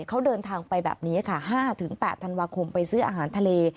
เขาเดินทางไปแบบนี้ค่ะ๕๘ธันวาคมไปซื้ออาหารทะเล